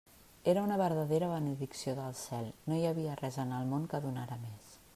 Era una verdadera benedicció del cel; no hi havia res en el món que donara més.